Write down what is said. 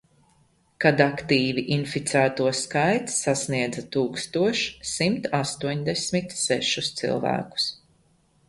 Kad aktīvi inficēto skaits sasniedza tūkstoš simt astoņdesmit sešus cilvēkus.